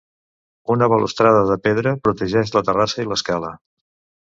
Una balustrada de pedra protegeix la terrassa i l'escala.